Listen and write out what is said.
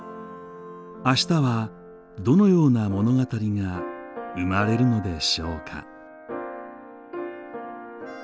あしたはどのような物語が生まれるのでしょうか。